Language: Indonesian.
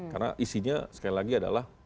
karena isinya sekali lagi adalah